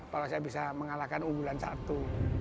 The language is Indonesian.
kalau saya bisa mengalahkan unggulan satu